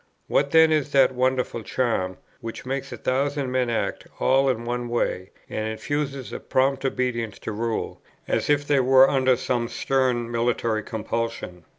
What then is that wonderful charm, which makes a thousand men act all in one way, and infuses a prompt obedience to rule, as if they were under some stern military compulsion?